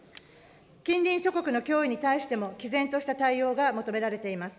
近隣諸国の脅威に対しても、きぜんとした対応が求められています。